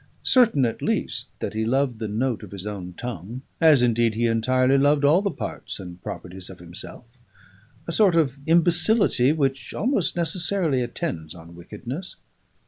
Certain, at least, that he loved the note of his own tongue, as, indeed, he entirely loved all the parts and properties of himself; a sort of imbecility which almost necessarily attends on wickedness.